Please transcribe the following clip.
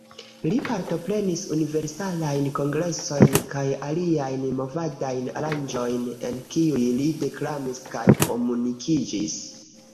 Li partoprenis Universalajn Kongresojn kaj aliajn movadajn aranĝojn, en kiuj li deklamis kaj komunikiĝis.